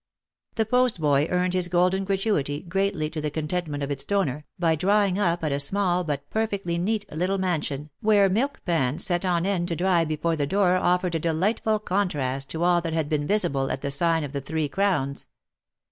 The postboy earned his golden gratuity, greatly to the contentment of its donor, by drawing up at a small but perfectly neat little man sion, where milk pans set on end to dry before the door offered a de lightfulcontrasttoallthathad been visible atthe sign ofthe ThreeCrowns.